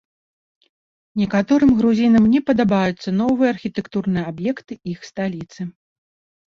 Некаторым грузінам не падабаюцца новыя архітэктурныя аб'екты іх сталіцы.